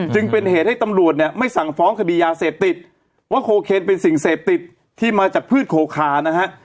จึงเป็นเหตุให้ตำรวจเนี่ยไม่สั่งฟ้องคดียาเสพติดว่าโคเคนเป็นสิ่งเสพติดที่มาจากพืชโคคานะฮะ